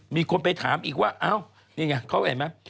มีคนไปถามอีกว่านี่ไงเขาเห็นมั้ย